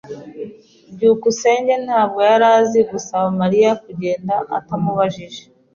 byukusenge ntabwo yari azi gusaba Mariya kugenda atamubabaje.